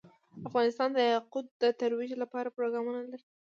افغانستان د یاقوت د ترویج لپاره پروګرامونه لري.